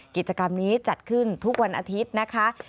กิจกรรมนี้จัดขึ้นทุกวันอาทิตย์นะคะ